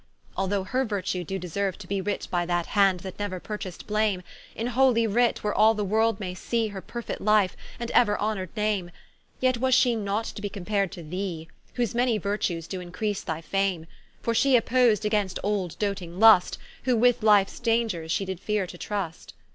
Although her virtue doe deserue to be Writ by that hand that neuer purchas'd blame; In holy Writ, where all the world may see Her perfit life, and euer honoured name: Yet was she not to be compar'd to thee, Whose many virtues doe increase thy fame: For shee oppos'd against old doting Lust, Who with life danger she did feare to trust.